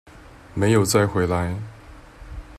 沒有再回來